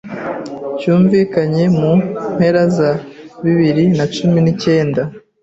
cyumvikanye mu mpera za bibiri na cumi nicyenda